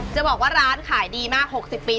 จะบอกว่าร้านขายดีมาก๖๐ปี